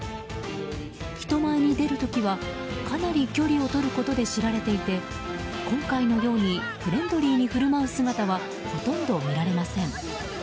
人前に出る時はかなり距離をとることで知られていて今回のようにフレンドリーに振る舞う姿はほとんど見られません。